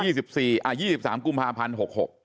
ยี่สิบสี่อ่ายี่สิบสามกุมภาพันธ์หกหก